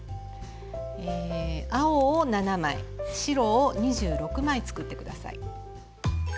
青を７枚白を２６枚作って下さい。